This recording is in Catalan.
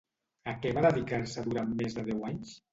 A què va dedicar-se durant més de deu anys?